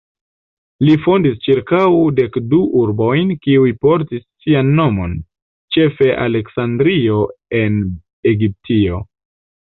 Li fondis ĉirkaŭ dekdu urbojn kiuj portis sian nomon, ĉefe Aleksandrio en Egiptio.